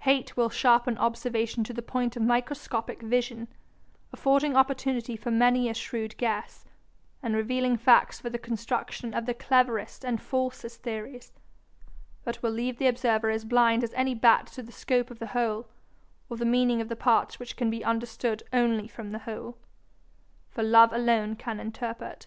Hate will sharpen observation to the point of microscopic vision, affording opportunity for many a shrewd guess, and revealing facts for the construction of the cleverest and falsest theories, but will leave the observer as blind as any bat to the scope of the whole, or the meaning of the parts which can be understood only from the whole; for love alone can interpret.